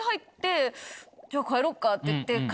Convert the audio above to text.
「じゃあ帰ろうか」って言って。